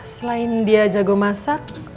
selain dia jago masak